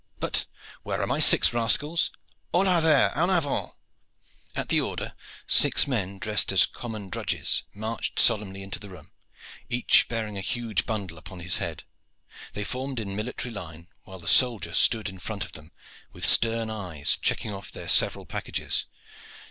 But where are my six rascals? Hola, there! En avant!" At the order, six men, dressed as common drudges, marched solemnly into the room, each bearing a huge bundle upon his head. They formed in military line, while the soldier stood in front of them with stern eyes, checking off their several packages.